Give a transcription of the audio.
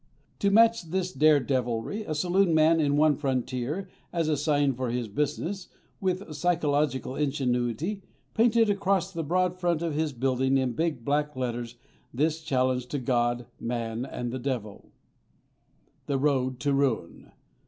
To match this dare deviltry, a saloon man in one frontier town, as a sign for his business, with psychological ingenuity painted across the broad front of his building in big black letters this challenge to God, man, and the devil: The Road to Ruin.